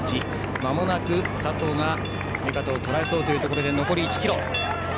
まもなく佐藤が目片をとらえそうというところで残り１ｋｍです。